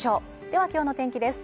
では今日の天気です